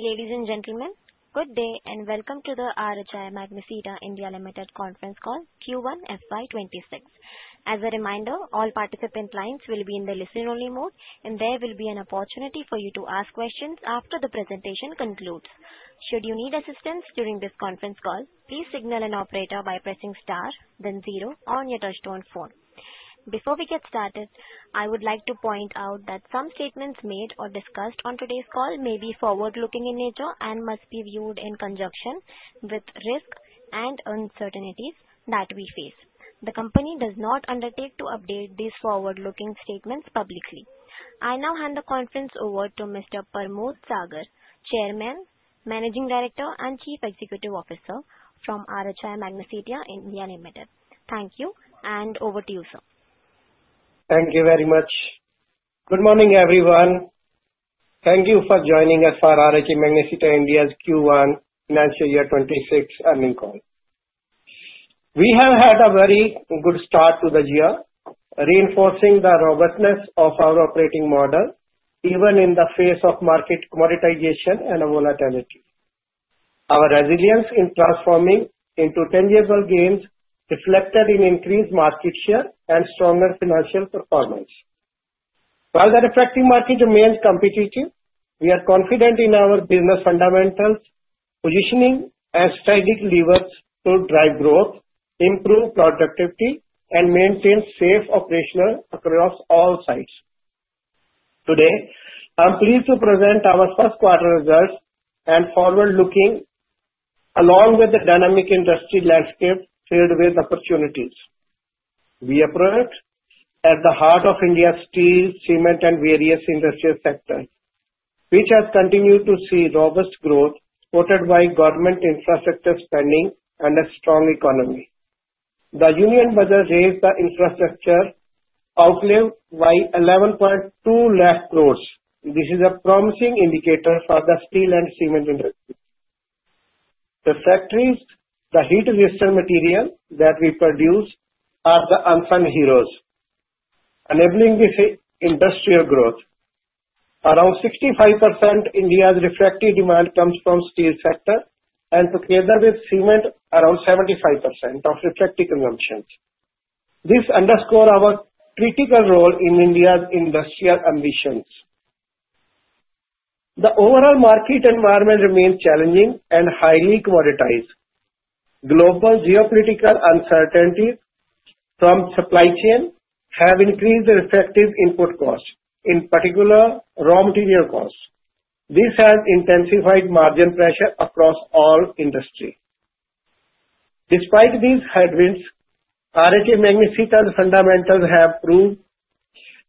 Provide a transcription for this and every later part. Ladies and gentlemen, good day and welcome to the RHI Magnesita India Limited Conference Call Q1-FY 2026. As a reminder, all participant lines will be in the listen-only mode, and there will be an opportunity for you to ask questions after the presentation concludes. Should you need assistance during this conference call, please signal an operator by pressing star, then zero on your touch-tone phone. Before we get started, I would like to point out that some statements made or discussed on today's call may be forward-looking in nature and must be viewed in conjunction with risks and uncertainties that we face. The company does not undertake to update these forward-looking statements publicly. I now hand the conference over to Mr. Parmod Sagar, Chairman, Managing Director, and Chief Executive Officer from RHI Magnesita India Limited. Thank you, and over to you, sir. Thank you very much. Good morning, everyone. Thank you for joining us for RHI Magnesita India's Q1-FY 2026 Earnings Call. We have had a very good start to the year, reinforcing the robustness of our operating model even in the face of market commoditization and volatility. Our resilience in transforming into tangible gains reflected in increased market share and stronger financial performance. While the refractory market remains competitive, we are confident in our business fundamentals, positioning, and strategic levers to drive growth, improve productivity, and maintain safe operations across all sites. Today, I'm pleased to present our first quarter results and forward-looking, along with the dynamic industry landscape filled with opportunities. We operate at the heart of India's steel, cement, and various industrial sectors, which has continued to see robust growth supported by government infrastructure spending and a strong economy. The Union Budget raised the infrastructure outlay by 11.2 lakh crores. This is a promising indicator for the steel and cement industry. The factories, the heat-resistant materials that we produce, are the unsung heroes, enabling this industrial growth. Around 65% of India's refractory demand comes from the steel sector, and together with cement, around 75% of refractory consumption. This underscores our critical role in India's industrial ambitions. The overall market environment remains challenging and highly commoditized. Global geopolitical uncertainties from supply chains have increased the refractory input cost, in particular raw material cost. This has intensified margin pressure across all industries. Despite these headwinds, RHI Magnesita's fundamentals have proved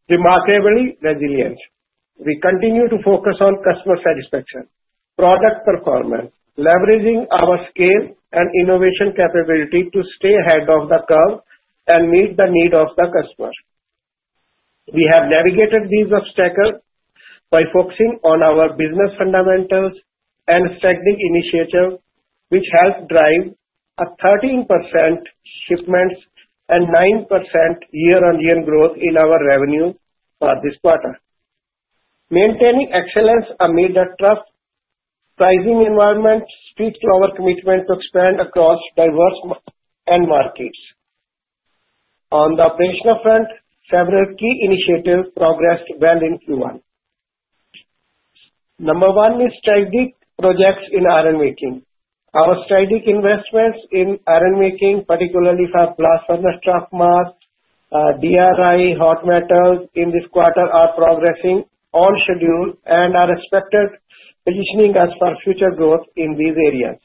remarkably resilient. We continue to focus on customer satisfaction, product performance, leveraging our scale and innovation capability to stay ahead of the curve and meet the needs of the customer. We have navigated these obstacles by focusing on our business fundamentals and strategic initiatives, which helped drive a 13% shipments and 9% year-on-year growth in our revenue for this quarter. Maintaining excellence amid a tough pricing environment speaks to our commitment to expand across diverse markets. On the operational front, several key initiatives progressed well in Q1. Number one is strategic projects in iron making. Our strategic investments in iron making, particularly for blast furnace and stock house, DRI, hot metal in this quarter, are progressing on schedule and are expected to position us for future growth in these areas.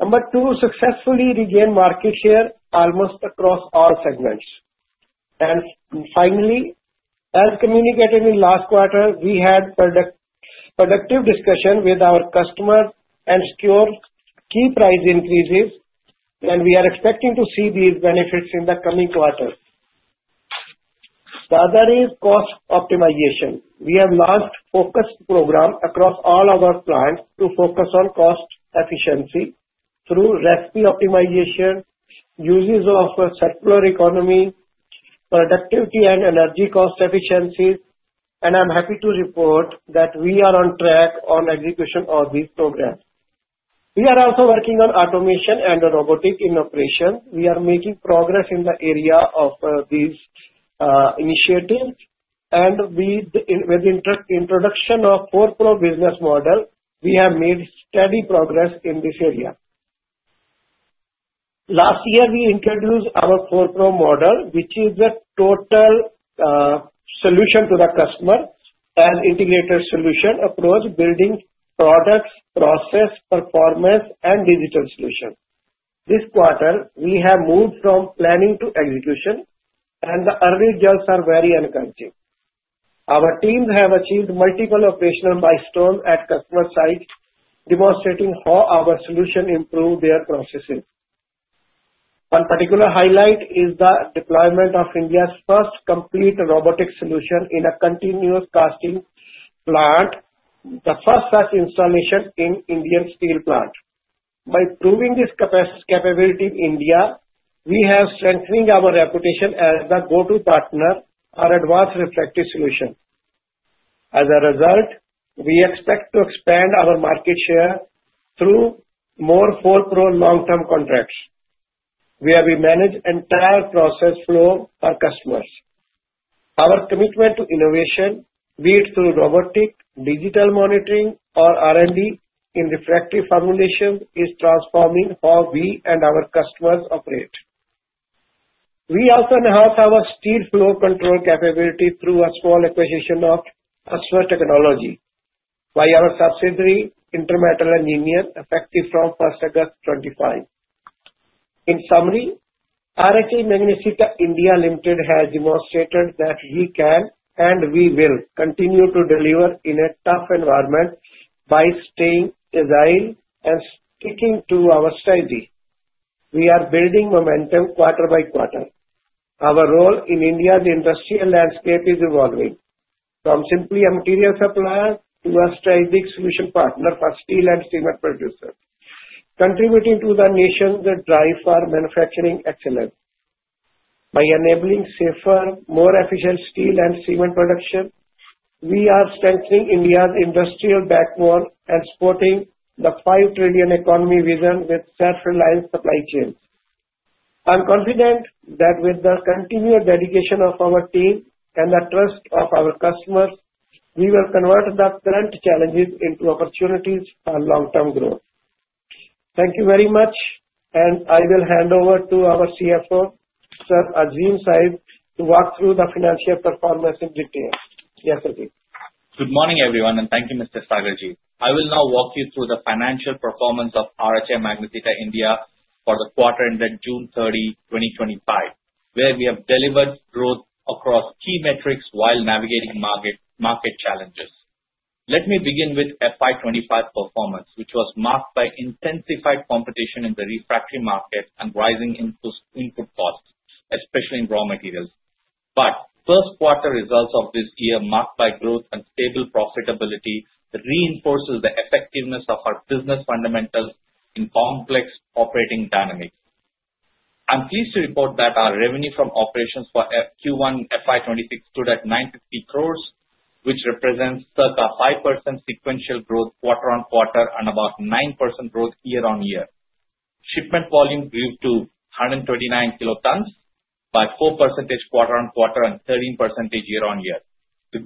Number two is successfully regained market share almost across all segments, and finally, as communicated in last quarter, we had productive discussions with our customers and secured key price increases, and we are expecting to see these benefits in the coming quarter. The other is cost optimization. We have launched a focus program across all our plants to focus on cost efficiency through recipe optimization, uses of circular economy, productivity, and energy cost efficiencies, and I'm happy to report that we are on track on execution of these programs. We are also working on automation and robotics in operations. We are making progress in the area of these initiatives, and with the introduction of the 4PRO business model, we have made steady progress in this area. Last year, we introduced our 4PRO model, which is a total solution to the customer and integrated solution approach, building products, process, performance, and digital solutions. This quarter, we have moved from planning to execution, and the early results are very encouraging. Our teams have achieved multiple operational milestones at customer sites, demonstrating how our solution improves their processes. One particular highlight is the deployment of India's first complete robotic solution in a continuous casting plant, the first such installation in an Indian steel plant. By proving this capability in India, we have strengthened our reputation as the go-to partner for advanced refractory solutions. As a result, we expect to expand our market share through more 4PRO long-term contracts, where we manage the entire process flow for customers. Our commitment to innovation, be it through robotic, digital monitoring, or R&D in refractory formulations, is transforming how we and our customers operate. We also enhance our steel flow control capability through a small acquisition of customer technology via our subsidiary, Intermetal and Union, effective from 1st August 2025. In summary, RHI Magnesita India Limited has demonstrated that we can, and we will, continue to deliver in a tough environment by staying agile and sticking to our strategy. We are building momentum quarter by quarter. Our role in India's industrial landscape is evolving, from simply a material supplier to a strategic solution partner for steel and cement producers, contributing to the nation's drive for manufacturing excellence. By enabling safer, more efficient steel and cement production, we are strengthening India's industrial backbone and supporting the 5 trillion economy vision with self-reliant supply chains. I'm confident that with the continued dedication of our team and the trust of our customers, we will convert the current challenges into opportunities for long-term growth. Thank you very much, and I will hand over to our CFO, Sir Azim Syed, to walk through the financial performance in detail. Yes, Azim. Good morning, everyone, and thank you, Mr. Sagarji. I will now walk you through the financial performance of RHI Magnesita India for the quarter ended June 30, 2025, where we have delivered growth across key metrics while navigating market challenges. Let me begin with FY 2025 performance, which was marked by intensified competition in the refractory market and rising input costs, especially in raw materials. But first-quarter results of this year, marked by growth and stable profitability, reinforce the effectiveness of our business fundamentals in complex operating dynamics. I'm pleased to report that our revenue from operations for Q1 FY 2026 stood at 950 crores, which represents circa 5% sequential growth quarter-on-quarter and about 9% growth year-on-year. Shipment volume grew to 129 kilotons by 4% quarter-on-quarter and 13% year-on-year.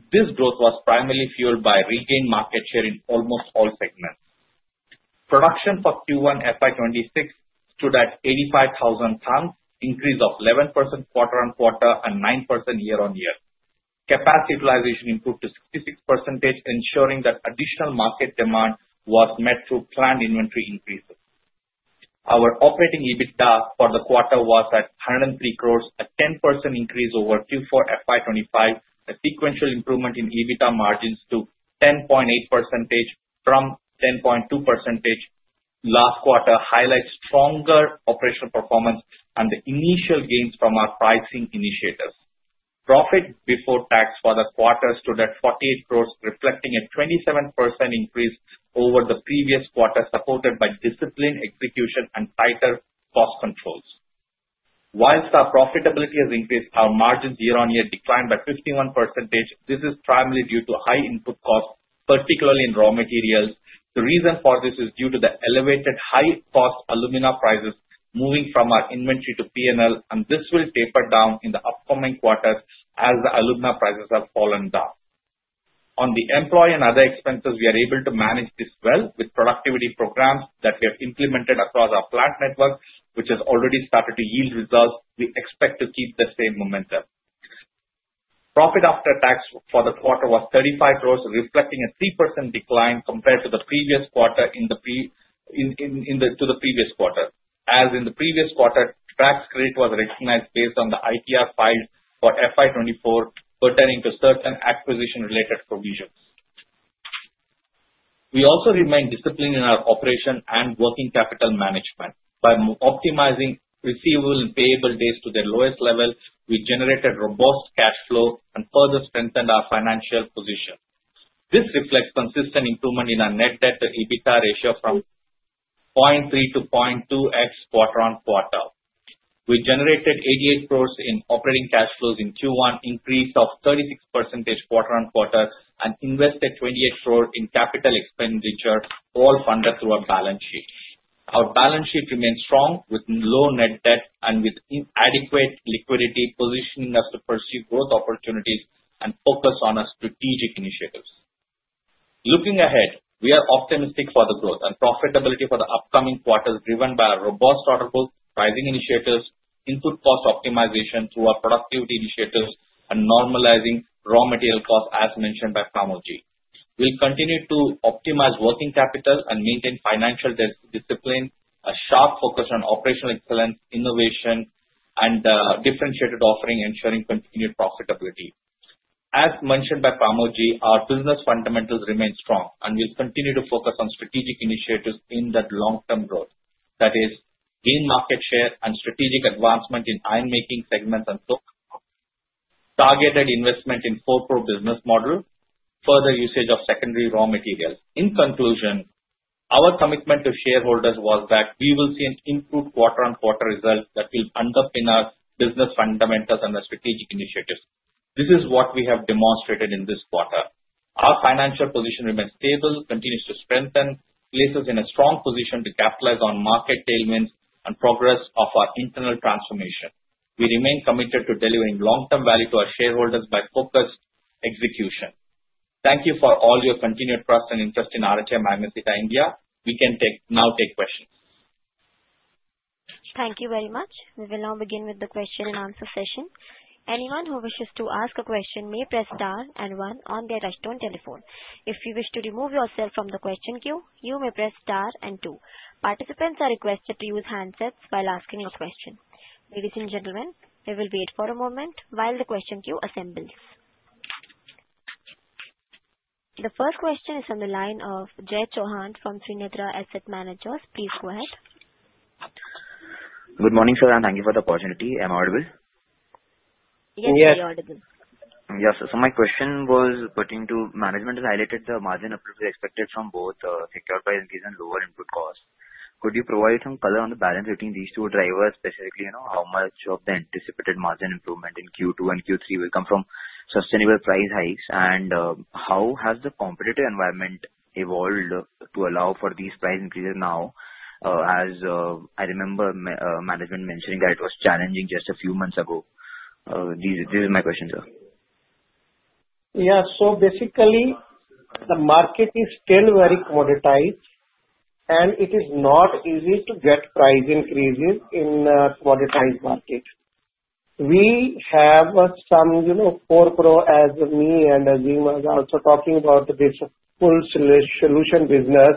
This growth was primarily fueled by regained market share in almost all segments. Production for Q1 FY 2026 stood at 85,000 tons, an increase of 11% quarter-on-quarter and 9% year-on-year. Capacity utilization improved to 66%, ensuring that additional market demand was met through planned inventory increases. Our operating EBITDA for the quarter was at 103 crores, a 10% increase over Q4 FY 2025, a sequential improvement in EBITDA margins to 10.8% from 10.2% last quarter, highlighting stronger operational performance and the initial gains from our pricing initiatives. Profit before tax for the quarter stood at 48 crores, reflecting a 27% increase over the previous quarter, supported by disciplined execution and tighter cost controls. While our profitability has increased, our margins year-on-year declined by 51%. This is primarily due to high input costs, particularly in raw materials. The reason for this is due to the elevated high-cost alumina prices moving from our inventory to P&L, and this will taper down in the upcoming quarters as the alumina prices have fallen down. On the employee and other expenses, we are able to manage this well with productivity programs that we have implemented across our plant network, which has already started to yield results. We expect to keep the same momentum. Profit after tax for the quarter was 35 crores, reflecting a 3% decline compared to the previous quarter, as in the previous quarter, tax credit was recognized based on the ITR filed for FY 2024, pertaining to certain acquisition-related provisions. We also remained disciplined in our operation and working capital management. By optimizing receivable and payable days to their lowest level, we generated robust cash flow and further strengthened our financial position. This reflects consistent improvement in our net debt-to-EBITDA ratio from 0.3x-0.2x quarter-on-quarter. We generated 88 crores in operating cash flows in Q1, an increase of 36% quarter-on-quarter, and invested 28 crores in capital expenditure all funded through our balance sheet. Our balance sheet remained strong with low net debt and with adequate liquidity, positioning us to pursue growth opportunities and focus on our strategic initiatives. Looking ahead, we are optimistic for the growth and profitability for the upcoming quarters, driven by our robust order book pricing initiatives, input cost optimization through our productivity initiatives, and normalizing raw material costs, as mentioned by Parmod. We'll continue to optimize working capital and maintain financial discipline, a sharp focus on operational excellence, innovation, and differentiated offering, ensuring continued profitability. As mentioned by Parmod, our business fundamentals remain strong, and we'll continue to focus on strategic initiatives aimed at long-term growth, that is, gain market share and strategic advancement in iron-making segments and targeted investment in 4PRO business model, further usage of secondary raw materials. In conclusion, our commitment to shareholders was that we will see an improved quarter-on-quarter result that will underpin our business fundamentals and our strategic initiatives. This is what we have demonstrated in this quarter. Our financial position remains stable, continues to strengthen, places in a strong position to capitalize on market tailwinds and progress of our internal transformation. We remain committed to delivering long-term value to our shareholders by focused execution. Thank you for all your continued trust and interest in RHI Magnesita India. We can now take questions. Thank you very much. We will now begin with the question-and-answer session. Anyone who wishes to ask a question may press star and one on their touch-tone telephone. If you wish to remove yourself from the question queue, you may press star and two. Participants are requested to use handsets while asking a question. Ladies and gentlemen, we will wait for a moment while the question queue assembles. The first question is from the line of Jai Chauhan from Trinetra Asset Managers. Please go ahead. Good morning, sir, and thank you for the opportunity. Am I audible? Yes, you're audible. Yes, sir. So my question was pertaining to management has highlighted the margin improvement expected from both secured price increase and lower input cost. Could you provide some color on the balance between these two drivers, specifically how much of the anticipated margin improvement in Q2 and Q3 will come from sustainable price hikes, and how has the competitive environment evolved to allow for these price increases now, as I remember management mentioning that it was challenging just a few months ago? This is my question, sir. Yeah. So basically, the market is still very commoditized, and it is not easy to get price increases in a commoditized market. We have some 4PRO, as me and Azim are also talking about, this full solution business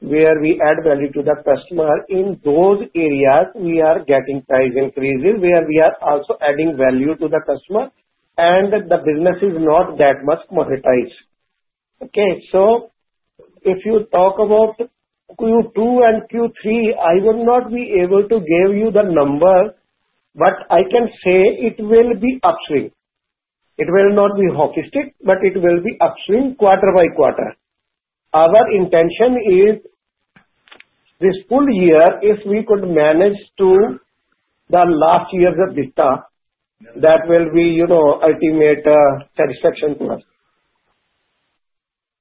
where we add value to the customer. In those areas, we are getting price increases where we are also adding value to the customer, and the business is not that much commoditized. Okay? So if you talk about Q2 and Q3, I will not be able to give you the number, but I can say it will be upswing. It will not be hockey stick, but it will be upswing quarter by quarter. Our intention is this full year, if we could manage to the last year's EBITDA, that will be ultimate satisfaction to us.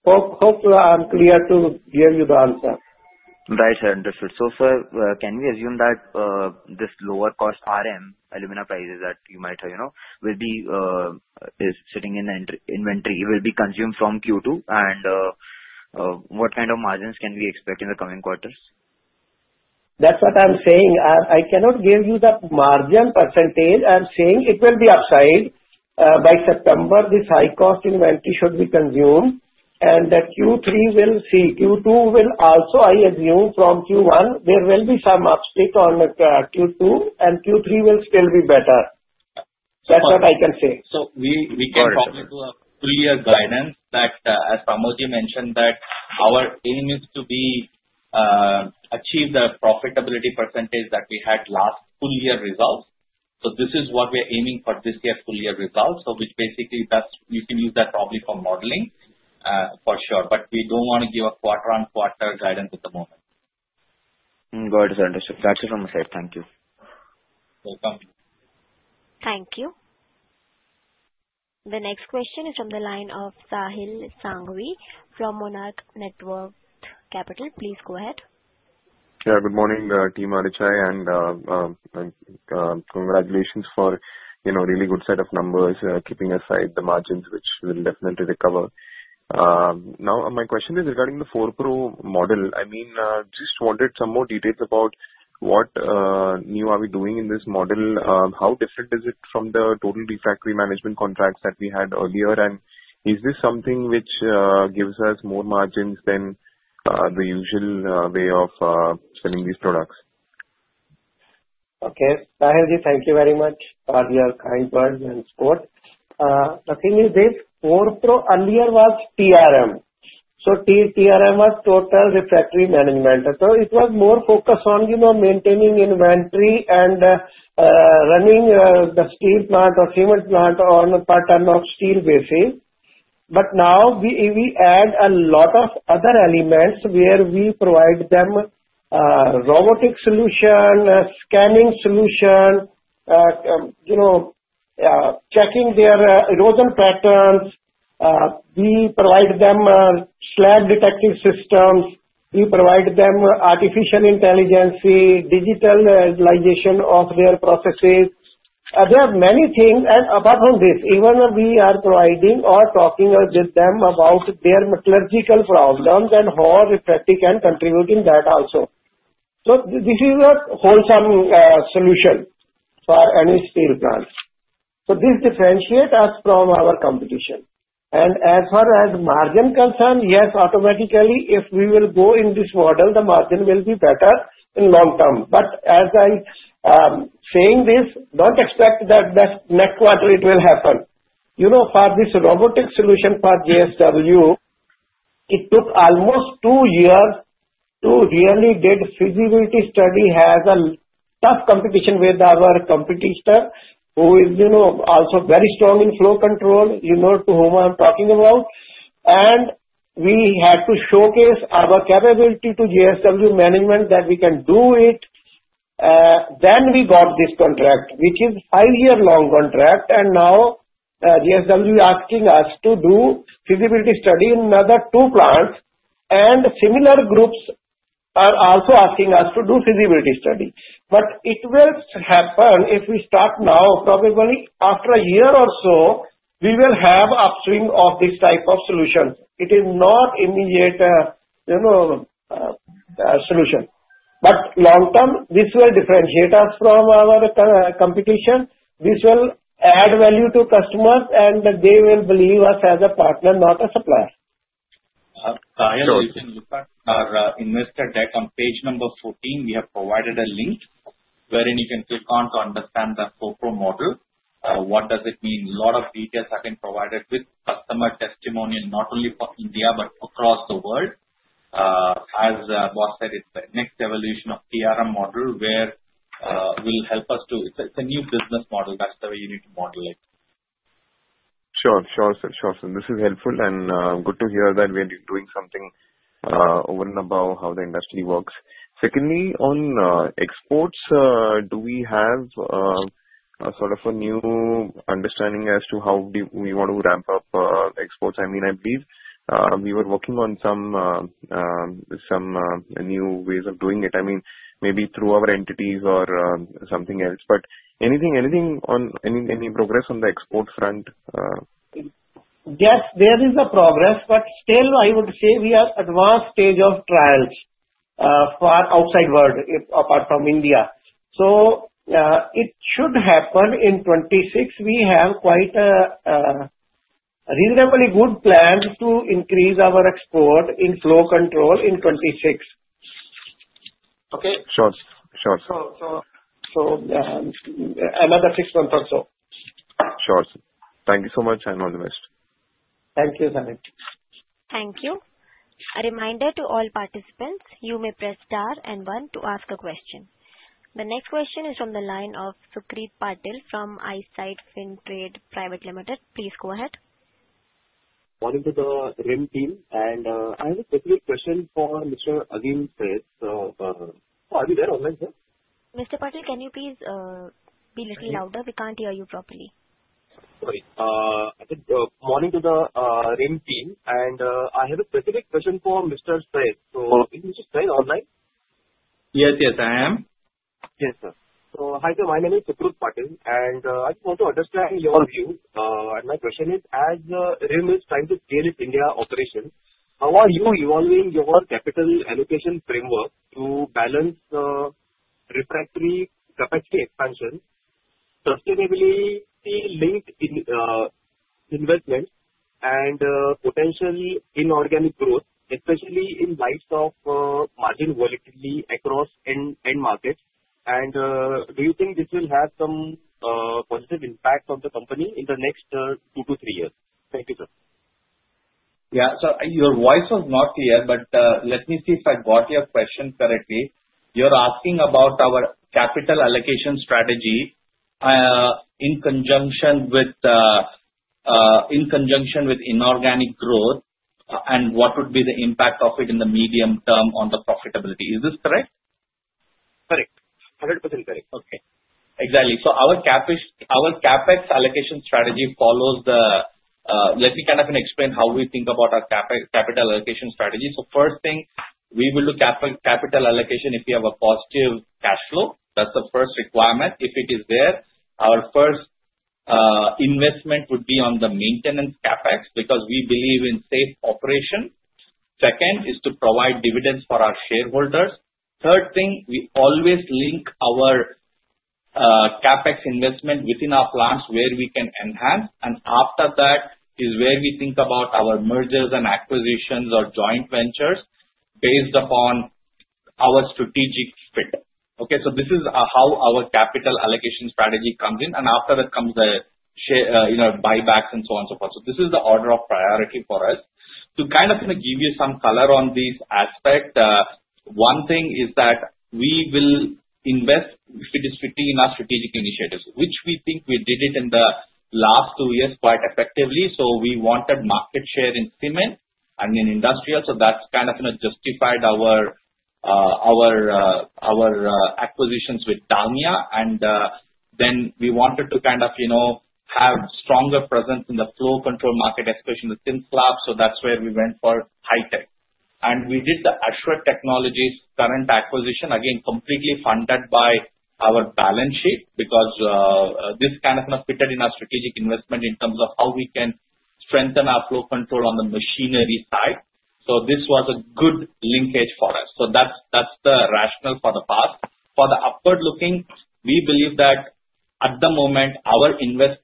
Hopefully, I'm clear to give you the answer. Right, sir. Understood. So sir, can we assume that this lower-cost RM alumina prices that you might have will be sitting in the inventory will be consumed from Q2, and what kind of margins can we expect in the coming quarters? That's what I'm saying. I cannot give you the margin percentage. I'm saying it will be upside. By September, this high-cost inventory should be consumed, and Q2 will also, I assume, from Q1, there will be some uptick on Q2, and Q3 will still be better. That's what I can say. So we can talk to a full-year guidance that, as Parmod mentioned, that our aim is to achieve the profitability percentage that we had last full-year results. So this is what we are aiming for this year, full-year results, so which basically you can use that probably for modeling for sure, but we don't want to give a quarter-on-quarter guidance at the moment. Got it, sir. Understood. That's it from my side. Thank you. Welcome. Thank you. The next question is from the line of Sahil Sanghvi from Monarch Networth Capital. Please go ahead. Yeah, good morning, Team RHI, and congratulations for a really good set of numbers, keeping aside the margins, which will definitely recover. Now, my question is regarding the 4PRO model. I mean, I just wanted some more details about what new are we doing in this model. How different is it from the total refractory management contracts that we had earlier, and is this something which gives us more margins than the usual way of selling these products? Okay. Sahil, thank you very much for your kind words and support. The thing is, this 4PRO earlier was TRM. So TRM was total refractory management. So it was more focused on maintaining inventory and running the steel plant or cement plant on a per ton of steel basis. But now we add a lot of other elements where we provide them robotic solution, scanning solution, checking their erosion patterns. We provide them slab detection systems. We provide them artificial intelligence, digitalization of their processes. There are many things. And apart from this, even we are providing or talking with them about their metallurgical problems and how refractory can contribute in that also. So this is a wholesome solution for any steel plant. So this differentiates us from our competition. And as far as margin concerned, yes, automatically, if we will go in this model, the margin will be better in long term. But as I'm saying this, don't expect that next quarter it will happen. For this robotic solution for JSW, it took almost two years to really get feasibility study as a tough competition with our competitor, who is also very strong in flow control, to whom I'm talking about. And we had to showcase our capability to JSW management that we can do it. Then we got this contract, which is a five-year-long contract, and now JSW is asking us to do feasibility study in another two plants, and similar groups are also asking us to do feasibility study. But it will happen if we start now, probably after a year or so, we will have upswing of this type of solution. It is not immediate solution. But long term, this will differentiate us from our competition. This will add value to customers, and they will believe us as a partner, not a supplier. Sahil, you can look at our investor deck on page number 14. We have provided a link wherein you can click on to understand the 4PRO model. What does it mean? A lot of details have been provided with customer testimonial, not only for India but across the world. As boss said, it's the next evolution of TRM model where it will help us to. It's a new business model. That's the way you need to model it. Sure, sure, sir. Sure, sir. This is helpful, and good to hear that we are doing something over and above how the industry works. Secondly, on exports, do we have sort of a new understanding as to how we want to ramp up exports? I mean, I believe we were working on some new ways of doing it. I mean, maybe through our entities or something else. But anything on any progress on the export front? Yes, there is a progress, but still, I would say we are at the advanced stage of trials for outside world, apart from India. So it should happen in 2026. We have quite a reasonably good plan to increase our export in flow control in 2026. Okay. Sure, sure. Another six months or so. Sure, sir. Thank you so much, and all the best. Thank you, Sahil. Thank you. A reminder to all participants, you may press star and one to ask a question. The next question is from the line of Sucrit Patil from Eyesight Fintrade Private Limited. Please go ahead. Morning to the RHIM team, and I have a specific question for Mr. Azim Syed. Are you there online? Mr. Patil, can you please be a little louder? We can't hear you properly. Sorry. Morning to the RHIM team, and I have a specific question for Mr. Syed. So is Mr. Syed online? Yes, yes, I am. Yes, sir. So hi there. My name is Sucrit Patil, and I just want to understand your view. My question is, as RHIM is trying to scale its India operation, how are you evaluating your capital allocation framework to balance refractory capacity expansion, sustainability-linked investment, and potential inorganic growth, especially in light of margin volatility across end markets? And do you think this will have some positive impact on the company in the next two to three years? Thank you, sir. Yeah. So your voice was not clear, but let me see if I got your question correctly. You're asking about our capital allocation strategy in conjunction with inorganic growth and what would be the impact of it in the medium term on the profitability. Is this correct? Correct. 100% correct. Okay. Exactly. Our CapEx allocation strategy follows. Let me kind of explain how we think about our capital allocation strategy. First thing, we will do capital allocation if we have a positive cash flow. That's the first requirement. If it is there, our first investment would be on the maintenance CapEx because we believe in safe operation. Second is to provide dividends for our shareholders. Third thing, we always link our CapEx investment within our plants where we can enhance, and after that is where we think about our mergers and acquisitions or joint ventures based upon our strategic fit. Okay? So this is how our capital allocation strategy comes in, and after that comes the buybacks and so on and so forth. This is the order of priority for us. To kind of give you some color on this aspect, one thing is that we will invest fitting in our strategic initiatives, which we think we did it in the last two years quite effectively. So we wanted market share in cement and in industrial, so that's kind of justified our acquisitions with Dalmia. And then we wanted to kind of have stronger presence in the flow control market, especially the thin slabs, so that's where we went for Hi-Tech. And we did the Ashwath Technologies recent acquisition, again, completely funded by our balance sheet because this kind of fitted in our strategic investment in terms of how we can strengthen our flow control on the machinery side. So this was a good linkage for us. So that's the rationale for the past. For the upward looking, we believe that at the moment, our investments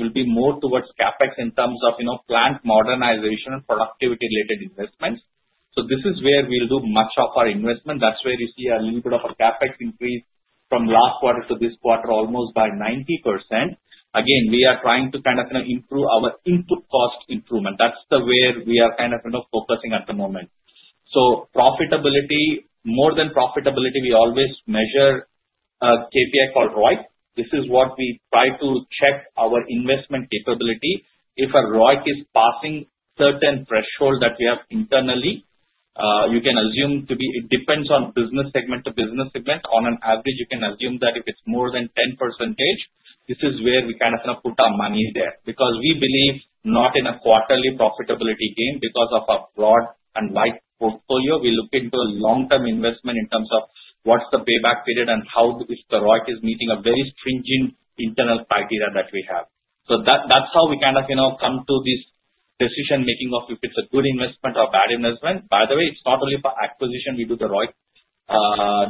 will be more towards CapEx in terms of plant modernization and productivity-related investments. So this is where we'll do much of our investment. That's where you see a little bit of a CapEx increase from last quarter to this quarter, almost by 90%. Again, we are trying to kind of improve our input cost improvement. That's the way we are kind of focusing at the moment. So profitability, more than profitability, we always measure KPI called ROIC. This is what we try to check our investment capability. If a ROIC is passing certain threshold that we have internally, you can assume it depends on business segment to business segment. On an average, you can assume that if it's more than 10%, this is where we kind of put our money there because we believe not in a quarterly profitability gain because of our broad and wide portfolio. We look into a long-term investment in terms of what's the payback period and how if the ROIC is meeting a very stringent internal criteria that we have. So that's how we kind of come to this decision-making of if it's a good investment or bad investment. By the way, it's not only for acquisition we do the ROIC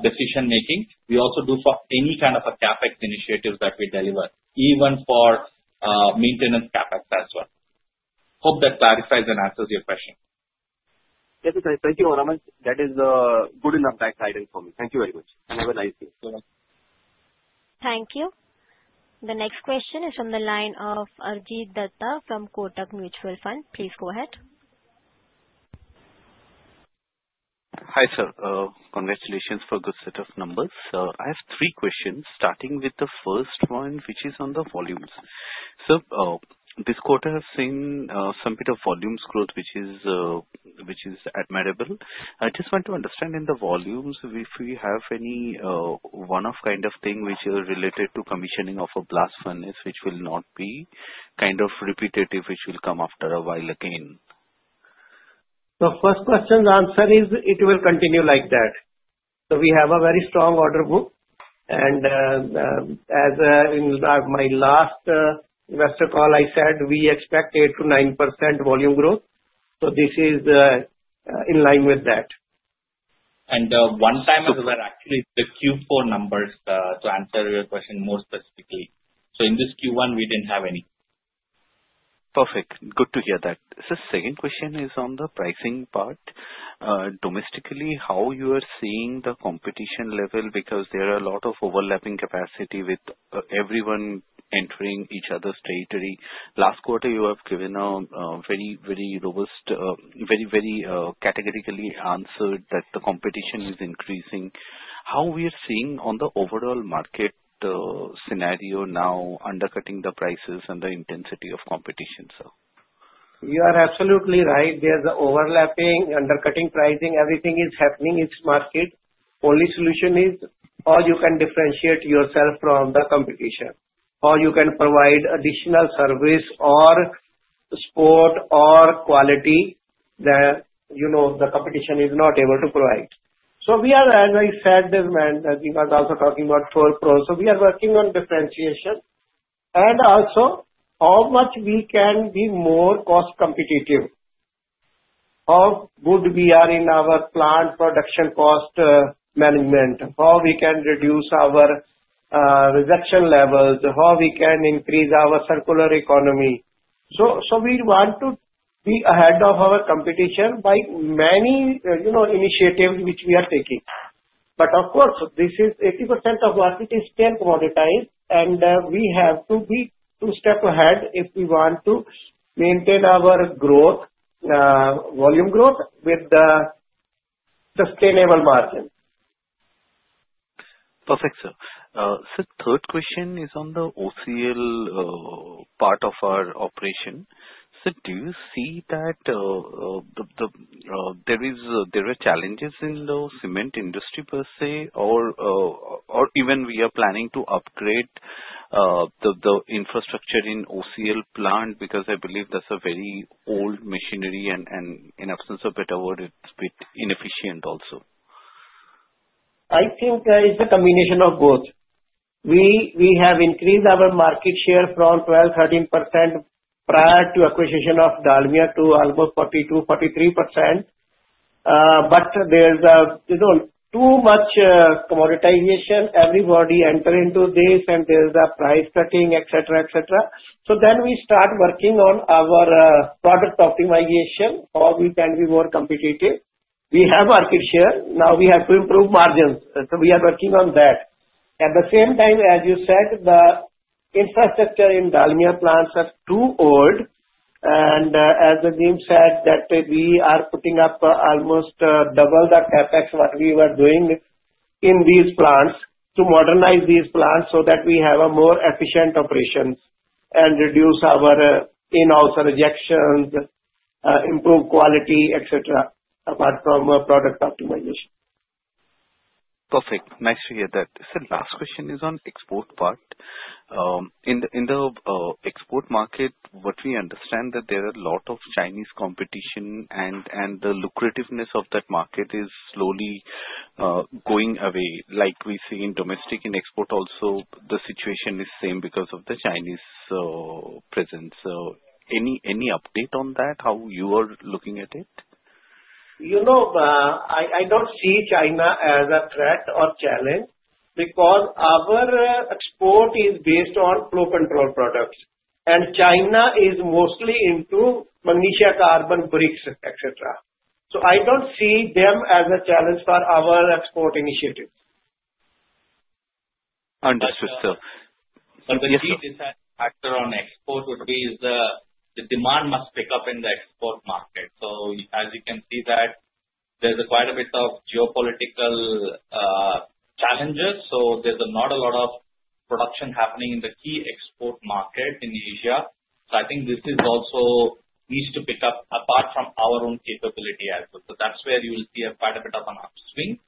decision-making. We also do for any kind of a CapEx initiative that we deliver, even for maintenance CapEx as well. Hope that clarifies and answers your question. That is correct. Thank you very much. That is good enough guidelines for me. Thank you very much. Have a nice day. Thank you. Thank you. The next question is from the line of Arijit Dutta from Kotak Mutual Fund. Please go ahead. Hi, sir. Congratulations for a good set of numbers. I have three questions, starting with the first one, which is on the volumes. So this quarter has seen some bit of volumes growth, which is admirable. I just want to understand in the volumes if we have any one-off kind of thing which is related to commissioning of a blast furnace, which will not be kind of repetitive, which will come after a while again. The first question's answer is it will continue like that. So we have a very strong order book, and as in my last investor call, I said we expect 8%-9% volume growth. So this is in line with that. And one time as well, actually, the Q4 numbers to answer your question more specifically. So in this Q1, we didn't have any. Perfect. Good to hear that. So the second question is on the pricing part. Domestically, how you are seeing the competition level because there are a lot of overlapping capacity with everyone entering each other's territory. Last quarter, you have given a very, very robust, very, very categorically answered that the competition is increasing. How we are seeing on the overall market scenario now, undercutting the prices and the intensity of competition, sir? You are absolutely right. There's overlapping, undercutting pricing. Everything is happening in this market. Only solution is, or you can differentiate yourself from the competition, or you can provide additional service or support or quality that the competition is not able to provide. So we are, as I said, as we were also talking about 4PRO, so we are working on differentiation and also how much we can be more cost competitive, how good we are in our plant production cost management, how we can reduce our reduction levels, how we can increase our circular economy. So we want to be ahead of our competition by many initiatives which we are taking. But of course, this is 80% of market is still commoditized, and we have to be two steps ahead if we want to maintain our volume growth with the sustainable margin. Perfect, sir. So third question is on the OCL part of our operation. So do you see that there are challenges in the cement industry per se, or even we are planning to upgrade the infrastructure in OCL plant because I believe that's a very old machinery, and in absence of better word, it's a bit inefficient also? I think it's a combination of both. We have increased our market share from 12%-13% prior to acquisition of Dalmia to almost 42%-43%. But there's too much commoditization. Everybody enters into this, and there's price cutting, etc., etc. So then we start working on our product optimization or we can be more competitive. We have market share. Now we have to improve margins. So we are working on that. At the same time, as you said, the infrastructure in Dalmia plants are too old. And as Azim said, that we are putting up almost double the CapEx what we were doing in these plants to modernize these plants so that we have a more efficient operation and reduce our in-house rejections, improve quality, etc., apart from product optimization. Perfect. Nice to hear that. So last question is on export part. In the export market, what we understand is that there are a lot of Chinese competition, and the lucrativeness of that market is slowly going away. Like we see in domestic, in export also, the situation is same because of the Chinese presence. So any update on that, how you are looking at it? I don't see China as a threat or challenge because our export is based on flow control products, and China is mostly into magnesia carbon bricks, etc. So I don't see them as a challenge for our export initiative. Understood, sir. The key factor on export would be the demand must pick up in the export market. As you can see, there's quite a bit of geopolitical challenges. There's not a lot of production happening in the key export market in Asia. I think this also needs to pick up apart from our own capability as well. That's where you will see quite a bit of an upswing.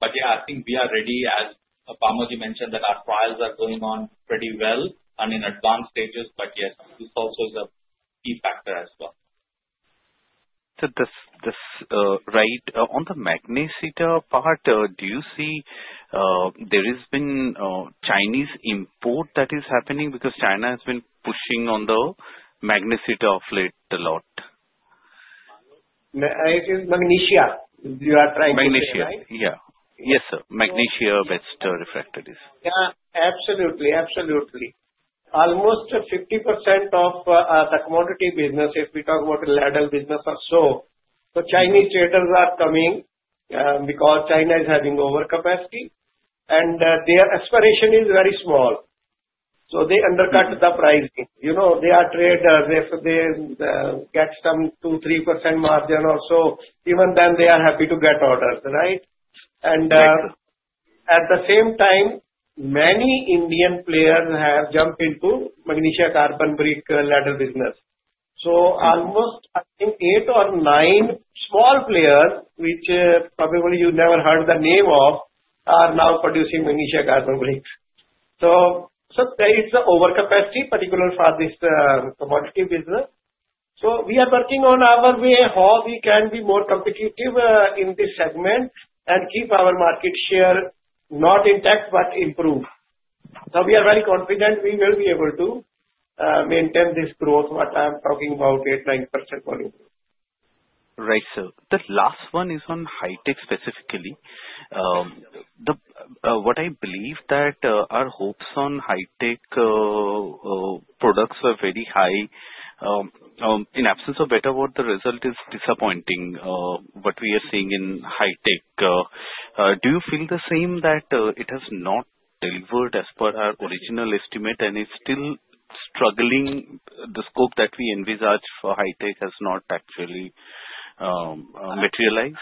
But yeah, I think we are ready, as Parmod mentioned, that our trials are going on pretty well and in advanced stages. But yes, this also is a key factor as well. This right on the magnesia part, do you see there has been Chinese import that is happening because China has been pushing on the magnesia plate a lot? Magnesia. You are trying to say, right? Magnesia, yeah. Yes, sir. Magnesia refractories. Yeah, absolutely, absolutely. Almost 50% of the commodity business, if we talk about the ladle business or so, the Chinese traders are coming because China is having overcapacity, and their aspiration is very small. So they undercut the pricing. They are traders. If they get some 2%-3% margin or so, even then they are happy to get orders, right? And at the same time, many Indian players have jumped into magnesia carbon brick ladle business. So almost, I think, eight or nine small players which probably you never heard the name of are now producing magnesia carbon bricks. So there is the overcapacity, particularly for this commodity business. So we are working on our way how we can be more competitive in this segment and keep our market share not intact but improved. So we are very confident we will be able to maintain this growth, what I'm talking about, 8%-9% volume. Right, sir. The last one is on Hi-Tech specifically. What I believe that our hopes on Hi-Tech products are very high. In absence of better word, the result is disappointing, what we are seeing in Hi-Tech. Do you feel the same that it has not delivered as per our original estimate, and it's still struggling? The scope that we envisage for Hi-Tech has not actually materialized.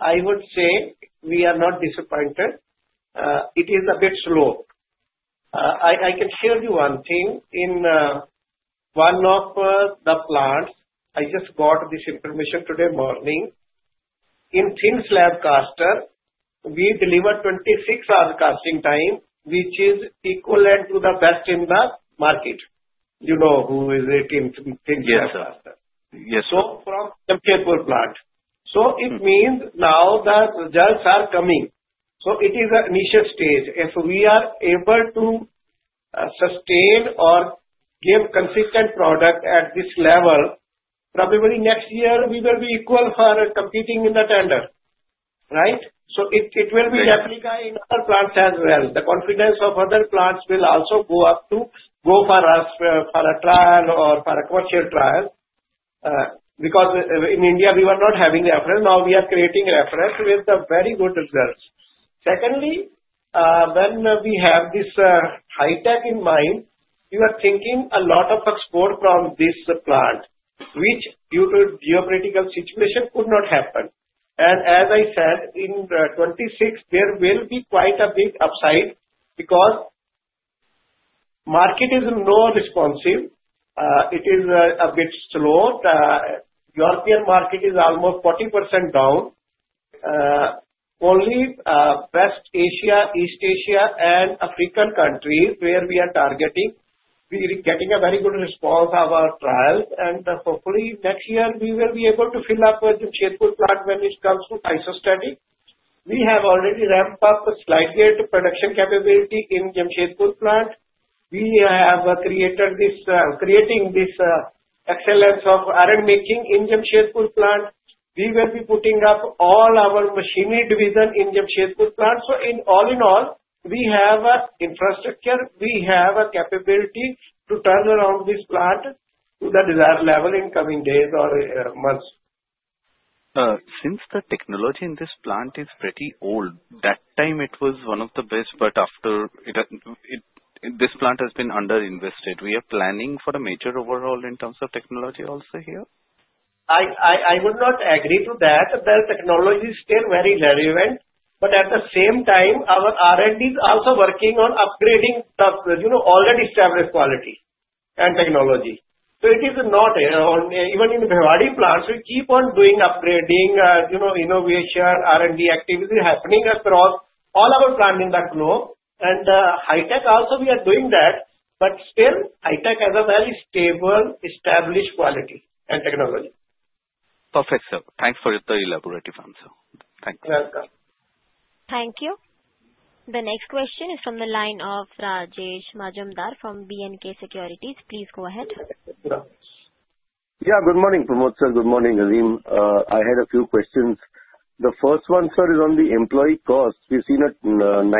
I would say we are not disappointed. It is a bit slow. I can share you one thing. In one of the plants, I just got this information today morning. In thin slab caster, we deliver 26 hours casting time, which is equivalent to the best in the market. You know who is it in thin slab caster? Yes, sir. From Jamshedpur plant. It means now the results are coming. It is an initial stage. If we are able to sustain or give consistent product at this level, probably next year we will be equal for competing in the tender, right? It will be replicate in other plants as well. The confidence of other plants will also go up to go for a trial or for a commercial trial because in India, we were not having reference. Now we are creating reference with very good results. Secondly, when we have this Hi-Tech in mind, you are thinking a lot of export from this plant, which due to geopolitical situation could not happen. And as I said, in 2026, there will be quite a big upside because market is not responsive. It is a bit slow. European market is almost 40% down. Only West Asia, East Asia, and African countries where we are targeting. We are getting a very good response of our trials, and hopefully, next year, we will be able to fill up with Jamshedpur plant when it comes to isostatic. We have already ramped up the slide gate production capability in Jamshedpur plant. We have creating this excellence of iron making in Jamshedpur plant. We will be putting up all our machinery division in Jamshedpur plant, so all in all, we have infrastructure. We have a capability to turn around this plant to the desired level in coming days or months. Since the technology in this plant is pretty old, that time it was one of the best, but after this plant has been underinvested. We are planning for a major overhaul in terms of technology also here? I would not agree to that. The technology is still very relevant, but at the same time, our R&D is also working on upgrading the already established quality and technology, so it is not even in Bhiwadi plants. We keep on doing upgrading, innovation, R&D activity happening across all our plant in the globe, and Hi-Tech also, we are doing that, but still Hi-Tech has a very stable, established quality and technology. Perfect, sir. Thanks for the elaborative answer. Thank you. You're welcome. Thank you. The next question is from the line of Rajesh Majumdar from B & K Securities. Please go ahead. Yeah, good morning, Parmod sir. Good morning, Azim. I had a few questions. The first one, sir, is on the employee cost. We've seen a 9%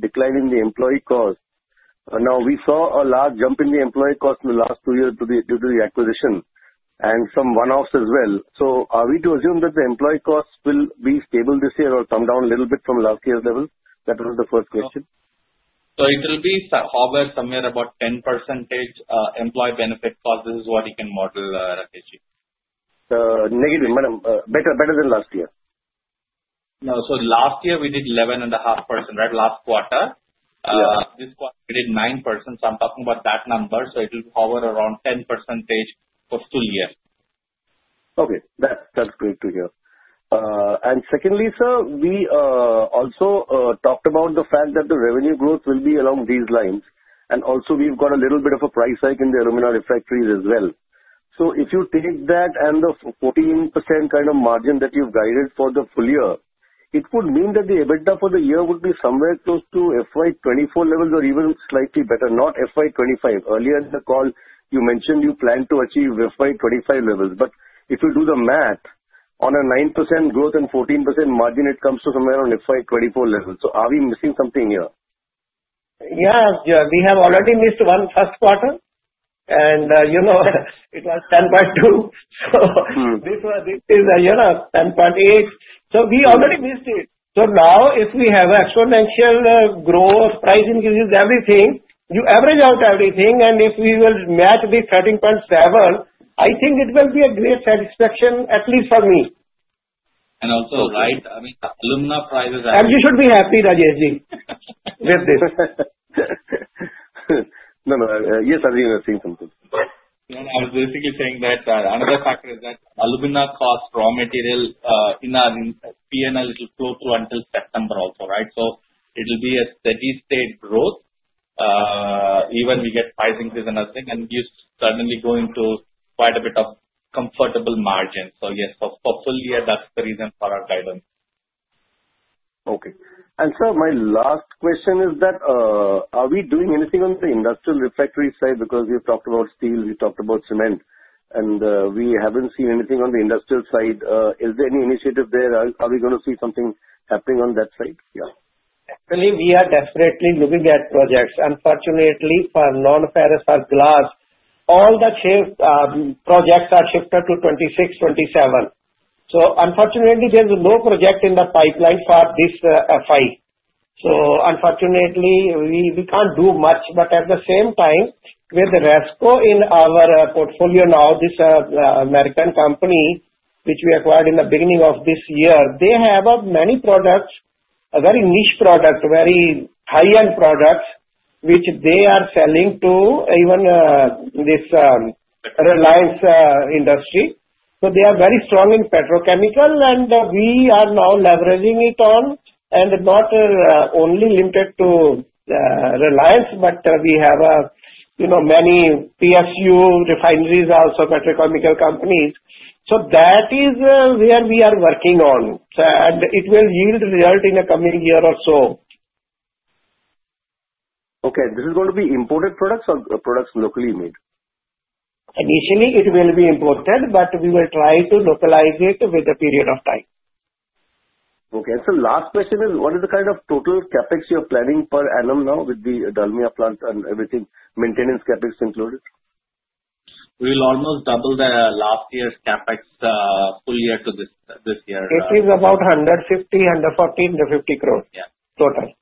decline in the employee cost. Now, we saw a large jump in the employee cost in the last two years due to the acquisition and some one-offs as well. So are we to assume that the employee cost will be stable this year or come down a little bit from last year's level? That was the first question. So it will be somewhere about 10% employee benefit cost. This is what you can model, Rajesh. Negative. Better than last year. No, so last year, we did 11.5%, right, last quarter. This quarter, we did 9%. So I'm talking about that number. So it will hover around 10% for the full year. Okay. That's great to hear. And secondly, sir, we also talked about the fact that the revenue growth will be along these lines. And also, we've got a little bit of a price hike in the alumina refractories as well. So if you take that and the 14% kind of margin that you've guided for the full year, it would mean that the EBITDA for the year would be somewhere close to FY 2024 levels or even slightly better, not FY 2025. Earlier in the call, you mentioned you plan to achieve FY 2025 levels. But if you do the math, on a 9% growth and 14% margin, it comes to somewhere around FY 2024 levels. So are we missing something here? Yes, we have already missed one first quarter, and it was 10.2%, so this is 10.8%, so we already missed it, so now, if we have exponential growth, price increases, everything, you average out everything, and if we will match the 13.7%, I think it will be a great satisfaction, at least for me. Also, right, I mean, alumina price is at. You should be happy, Rajesh, with this. No, no. Yes, Azim, I've seen something. I was basically saying that another factor is that aluminum cost, raw material, in our P&L, it will flow through until September also, right? So it will be a steady-state growth. Even we get price increase and everything, and you suddenly go into quite a bit of comfortable margin. So yes, for the full year, that's the reason for our guidance. Okay. And, sir, my last question is that are we doing anything on the industrial refractory side? Because we've talked about steel, we've talked about cement, and we haven't seen anything on the industrial side. Is there any initiative there? Are we going to see something happening on that side? Yeah. Actually, we are definitely looking at projects. Unfortunately, for non-ferrous or glass, all the projects are shifted to 2026, 2027. So unfortunately, there's no project in the pipeline for this FY. So unfortunately, we can't do much. But at the same time, with the Resco in our portfolio now, this American company which we acquired in the beginning of this year, they have many products, a very niche product, very high-end products, which they are selling to even this Reliance Industries. So they are very strong in petrochemical, and we are now leveraging it on and not only limited to Reliance, but we have many PSU refineries also, petrochemical companies. So that is where we are working on, and it will yield results in the coming year or so. Okay. This is going to be imported products or products locally made? Initially, it will be imported, but we will try to localize it with a period of time. Okay. So last question is, what is the kind of total CapEx you're planning per annum now with the Dalmia plant and everything, maintenance CapEx included? We will almost double the last year's CapEx full year to this year. It is about 150, 140, 150 crores total.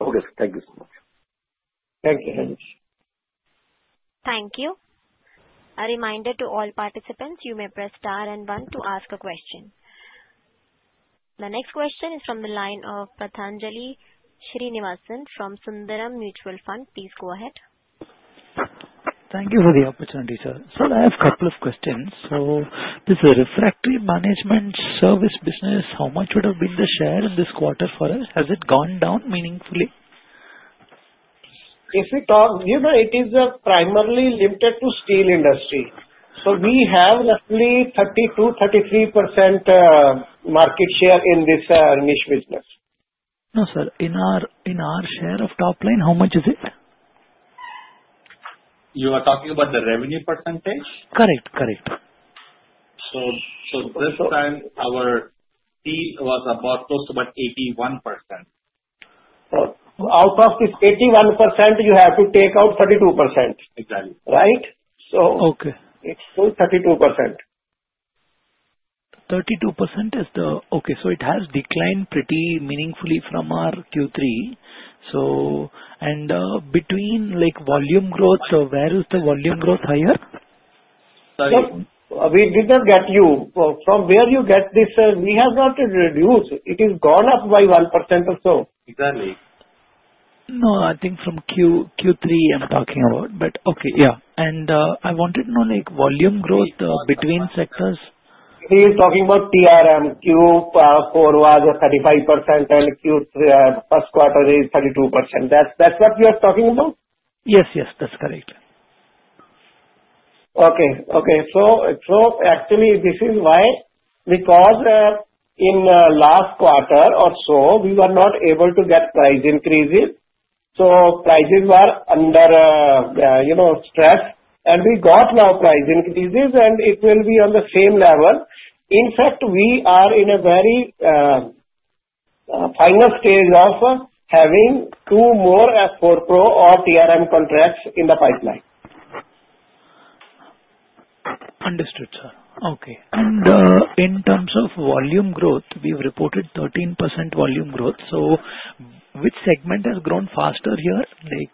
Okay. Thank you so much. Thank you, Rajesh. Thank you. A reminder to all participants, you may press star and one to ask a question. The next question is from the line of Pathanjali Srinivasan from Sundaram Mutual Fund. Please go ahead. Thank you for the opportunity, sir. Sir, I have a couple of questions. So this refractory management service business, how much would have been the share in this quarter for us? Has it gone down meaningfully? If you talk, it is primarily limited to steel industry. So we have roughly 32%-33% market share in this niche business. No, sir. In our share of top line, how much is it? You are talking about the revenue percentage? Correct, correct. This time, our fee was close to about 81%. Out of this 81%, you have to take out 32%, right? So it's still 32%. 32%, okay. So it has declined pretty meaningfully from our Q3. And between volume growth, so where is the volume growth higher? Sorry, we did not get you. From where you get this? We have not reduced. It has gone up by 1% or so. Exactly. No, I think from Q3 I'm talking about. But okay, yeah. And I wanted to know volume growth between sectors. He is talking about TRM, Q4 was 35% and Q1 was 32%. That's what you are talking about? Yes, yes. That's correct. Okay, okay. So actually, this is why because in last quarter or so, we were not able to get price increases. So prices were under stress, and we got now price increases, and it will be on the same level. In fact, we are in a very final stage of having two more 4PRO or TRM contracts in the pipeline. Understood, sir. Okay. And in terms of volume growth, we've reported 13% volume growth. So which segment has grown faster here?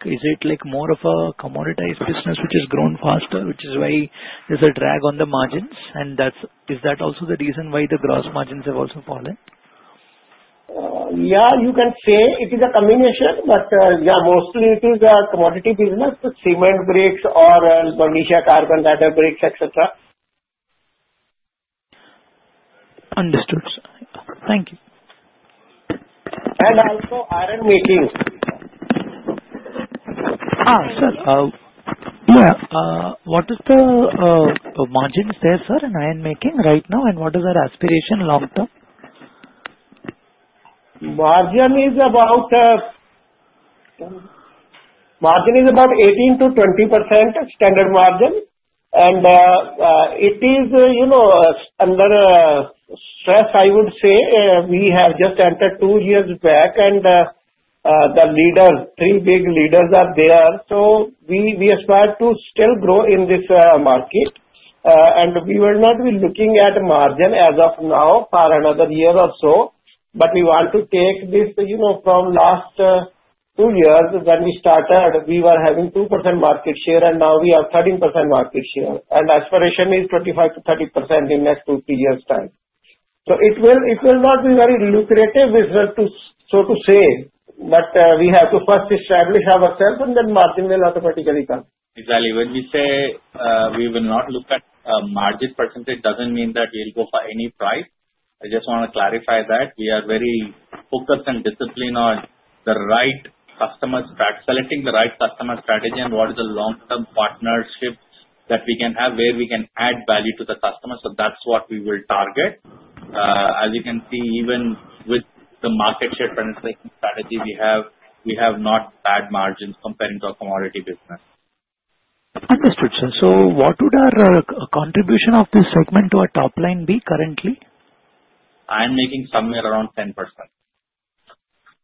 Is it more of a commoditized business which has grown faster, which is why there's a drag on the margins? And is that also the reason why the gross margins have also fallen? Yeah, you can say it is a combination, but yeah, mostly it is a commodity business, cement bricks or magnesia carbon ladle bricks, etc. Understood, sir. Thank you. And also iron making. Sir, what is the margins there, sir, in iron making right now? And what is our aspiration long term? Margin is about 18%-20% standard margin, and it is under stress, I would say. We have just entered two years back, and the leaders, three big leaders, are there, so we aspire to still grow in this market, and we will not be looking at margin as of now for another year or so, but we want to take this from last two years. When we started, we were having 2% market share, and now we have 13% market share, and aspiration is 25%-30% in the next two, three years' time, so it will not be very lucrative business, so to say, but we have to first establish ourselves, and then margin will automatically come. Exactly. When we say we will not look at margin percentage, it doesn't mean that we'll go for any price. I just want to clarify that. We are very focused and disciplined on the right customer strategy, selecting the right customer strategy and what is the long-term partnership that we can have where we can add value to the customer. So that's what we will target. As you can see, even with the market share penetration strategy, we have not bad margins comparing to a commodity business. Understood, sir. So what would our contribution of this segment to our top line be currently? I am making somewhere around 10%.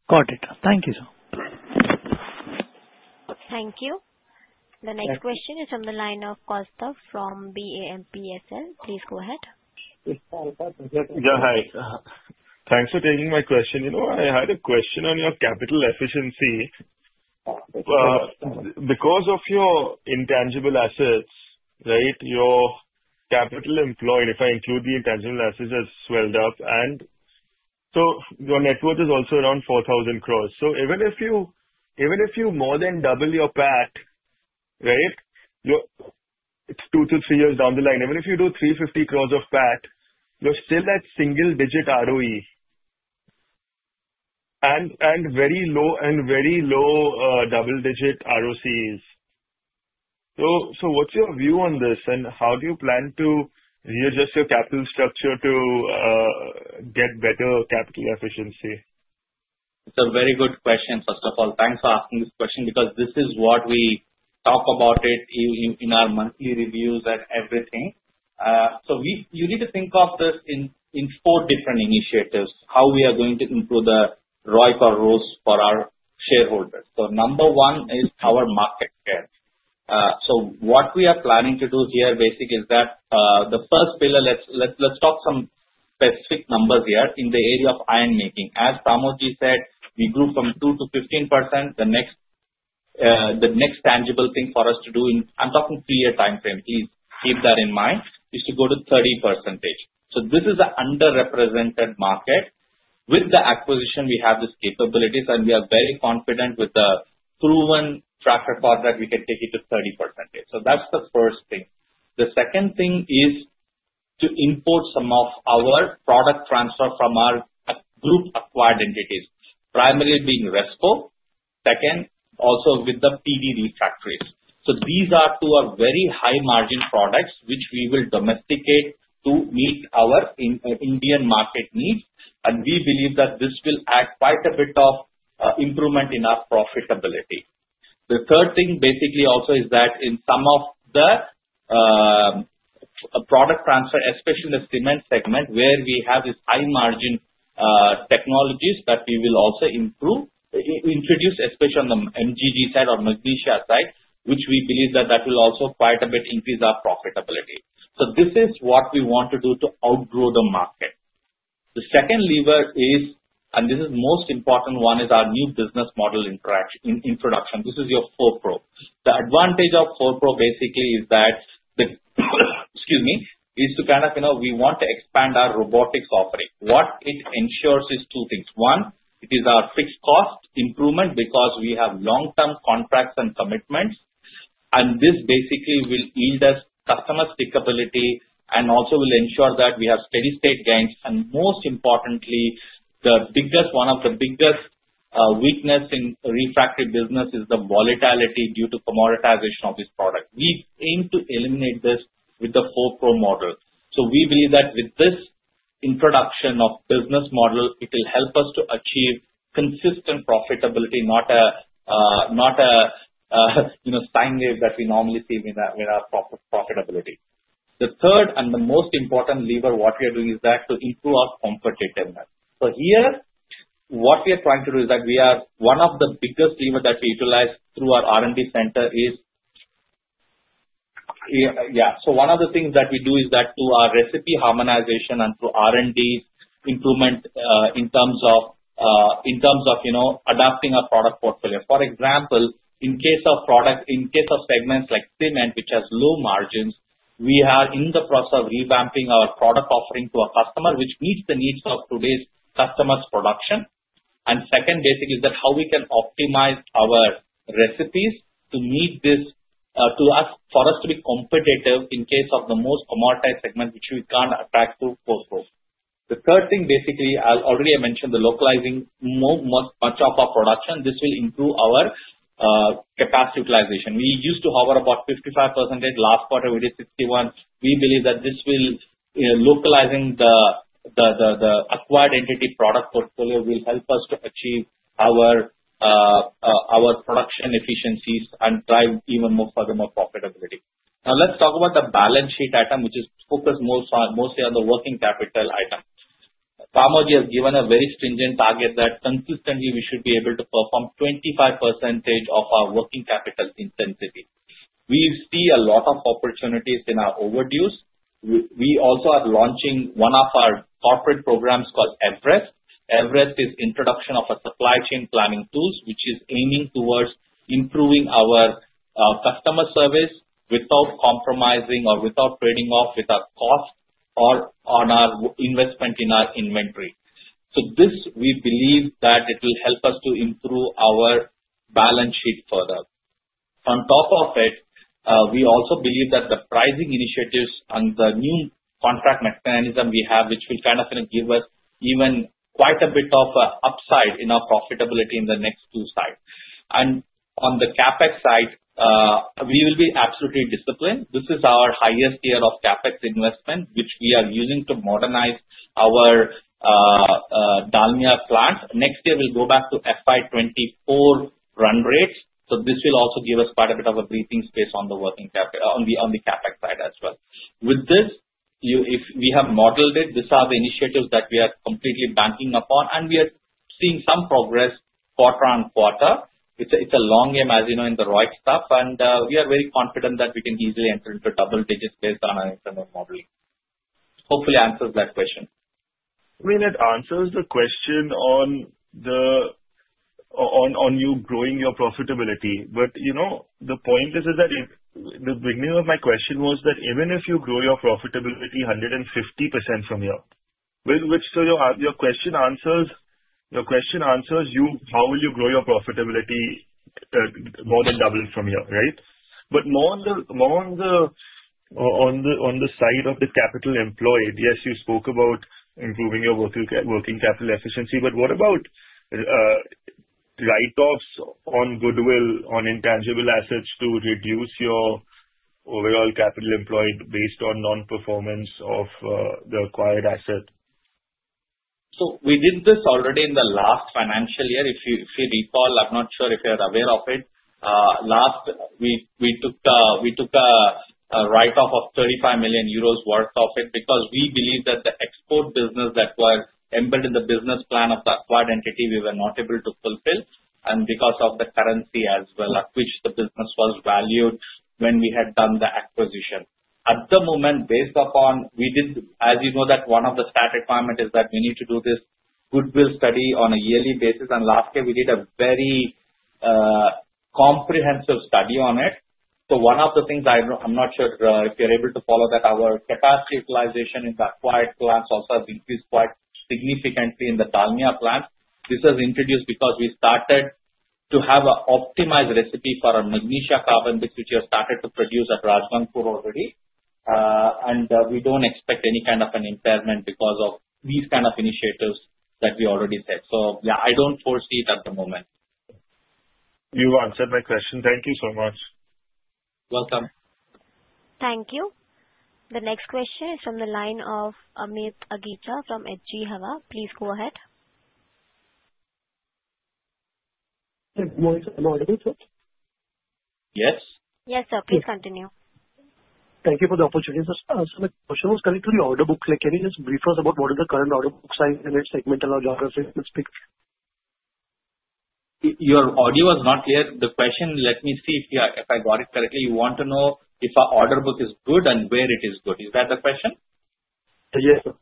Got it. Thank you, sir. Thank you. The next question is from the line of Kaustav from BMPSL. Please go ahead. Yeah, hi. Thanks for taking my question. I had a question on your capital efficiency. Because of your intangible assets, right, your capital employed, if I include the intangible assets as well up, and so your net worth is also around 4,000 crores. So even if you more than double your PAT, right, it's two to three years down the line. Even if you do 350 crores of PAT, you're still at single-digit ROE and very low double-digit ROCs. So what's your view on this, and how do you plan to readjust your capital structure to get better capital efficiency? It's a very good question, first of all. Thanks for asking this question because this is what we talk about in our monthly reviews and everything. So you need to think of this in four different initiatives, how we are going to improve the ROIC or ROCs for our shareholders. So number one is our market share. So what we are planning to do here, basically, is that the first pillar, let's talk some specific numbers here in the area of iron making. As Parmod said, we grew from 2%-15%. The next tangible thing for us to do, I'm talking three-year time frame, please keep that in mind, is to go to 30%. So this is an underrepresented market. With the acquisition, we have these capabilities, and we are very confident with the proven track record that we can take it to 30%. So that's the first thing. The second thing is to import some of our product transfer from our group-acquired entities, primarily being Resco. Second, also with the P-D Refractories. So these are two very high-margin products which we will domesticate to meet our Indian market needs. And we believe that this will add quite a bit of improvement in our profitability. The third thing, basically, also is that in some of the product transfer, especially in the cement segment, where we have these high-margin technologies that we will also introduce, especially on the Mg side or Magnesia side, which we believe that that will also quite a bit increase our profitability. So this is what we want to do to outgrow the market. The second lever is, and this is the most important one, is our new business model introduction. This is your 4PRO. The advantage of 4PRO, basically, is that, excuse me, is to kind of we want to expand our robotics offering. What it ensures is two things. One, it is our fixed cost improvement because we have long-term contracts and commitments. And this basically will yield us customer stickability and also will ensure that we have steady-state gains. And most importantly, one of the biggest weaknesses in refractory business is the volatility due to commoditization of this product. We aim to eliminate this with the 4PRO model. So we believe that with this introduction of business model, it will help us to achieve consistent profitability, not a stairway that we normally see with our profitability. The third and the most important lever what we are doing is that to improve our cost determinant. Here, what we are trying to do is that we are one of the biggest levers that we utilize through our R&D center is. One of the things that we do is that through our recipe harmonization and through R&D improvement in terms of adapting our product portfolio. For example, in case of product, in case of segments like cement, which has low margins, we are in the process of revamping our product offering to a customer which meets the needs of today's customer's production. Second, basically, is that how we can optimize our recipes to meet this for us to be competitive in case of the most commoditized segment, which we can't attract through 4PRO. The third thing, basically, I already mentioned the localizing much of our production. This will improve our capacity utilization. We used to hover about 55% last quarter. We did 61%. We believe that this will localizing the acquired entity product portfolio will help us to achieve our production efficiencies and drive even more furthermore profitability. Now, let's talk about the balance sheet item, which is focused mostly on the working capital item. Parmod has given a very stringent target that consistently we should be able to perform 25% of our working capital intensity. We see a lot of opportunities in our overdues. We also are launching one of our corporate programs called Everest. Everest is the introduction of a supply chain planning tool, which is aiming towards improving our customer service without compromising or without trading off with our cost or on our investment in our inventory. So this, we believe that it will help us to improve our balance sheet further. On top of it, we also believe that the pricing initiatives and the new contract mechanism we have, which will kind of give us even quite a bit of upside in our profitability in the next two years, and on the CapEx side, we will be absolutely disciplined. This is our highest tier of CapEx investment, which we are using to modernize our Dalmia plant. Next year, we'll go back to FY 2024 run rates, so this will also give us quite a bit of a breathing space on the working capital on the CapEx side as well. With this, we have modeled it. These are the initiatives that we are completely banking upon, and we are seeing some progress quarter on quarter. It's a long game, as you know, in the ROIC stuff. We are very confident that we can easily enter into double digits based on our internal modeling. Hopefully, it answers that question. I mean, it answers the question on you growing your profitability. But the point is that the beginning of my question was that even if you grow your profitability 150% from here, which so your question answers you, how will you grow your profitability more than double from here, right? But more on the side of the capital employed, yes, you spoke about improving your working capital efficiency. But what about write-offs on goodwill on intangible assets to reduce your overall capital employed based on non-performance of the acquired asset? We did this already in the last financial year. If you recall, I'm not sure if you're aware of it. Last, we took a write-off of 35 million euros worth of it because we believe that the export business that was embedded in the business plan of the acquired entity, we were not able to fulfill. And because of the currency as well, at which the business was valued when we had done the acquisition. At the moment, based upon we did, as you know, that one of the stat requirements is that we need to do this goodwill study on a yearly basis. And last year, we did a very comprehensive study on it. One of the things I'm not sure if you're able to follow, that our capacity utilization in the acquired plants also has increased quite significantly in the Dalmia plant. This was introduced because we started to have an optimized recipe for our magnesia carbon bricks, which we have started to produce at Rajgangpur already. And we don't expect any kind of an impairment because of these kind of initiatives that we already said. So yeah, I don't foresee it at the moment. You've answered my question. Thank you so much. Welcome. Thank you. The next question is from the line of Amit Agicha from HG Hawa. Please go ahead. Yes. Yes, sir. Please continue. Thank you for the opportunity. Sir, my question was connected to the order book. Can you just brief us about what is the current order book size in its segment and our geography? Let's speak. Your audio was not clear. The question, let me see if I got it correctly, you want to know if our order book is good and where it is good. Is that the question? Yes, sir.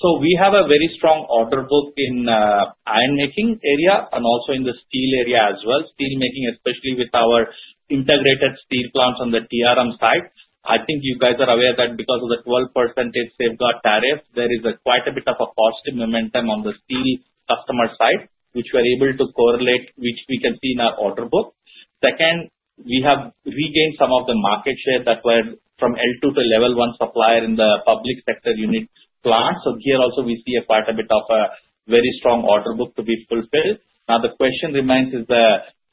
So we have a very strong order book in iron making area and also in the steel area as well. Steel making, especially with our integrated steel plants on the TRM side. I think you guys are aware that because of the 12% safeguard tariff, there is quite a bit of a positive momentum on the steel customer side, which we are able to correlate, which we can see in our order book. Second, we have regained some of the market share that were from L2 to level one supplier in the public sector unit plant. So here also, we see quite a bit of a very strong order book to be fulfilled. Now, the question remains is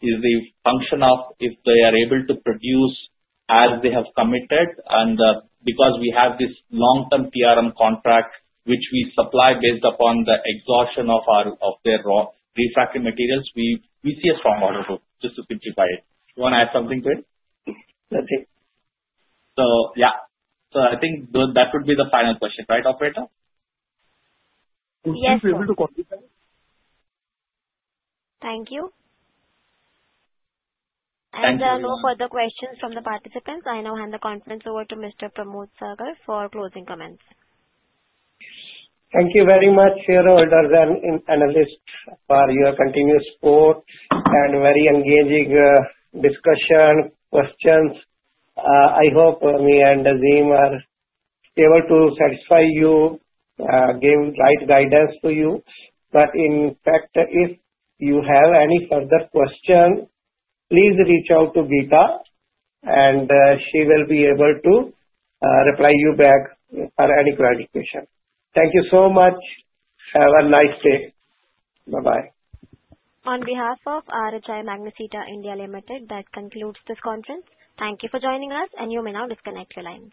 the function of if they are able to produce as they have committed. And because we have this long-term TRM contract, which we supply based upon the exhaustion of their refractory materials, we see a strong order book just to simplify it. You want to add something to it? Nothing. So yeah. So I think that would be the final question, right, Operator? Yes, sir. Would you be able to complete that? Thank you. There are no further questions from the participants. I now hand the conference over to Mr. Parmod Sagar for closing comments. Thank you very much, shareholders and analysts, for your continuous support and very engaging discussion, questions. I hope me and Azim are able to satisfy you, give right guidance to you. But in fact, if you have any further questions, please reach out to Geeta, and she will be able to reply to you back for any clarification. Thank you so much. Have a nice day. Bye-bye. On behalf of RHI Magnesita India Limited, that concludes this conference. Thank you for joining us, and you may now disconnect your lines.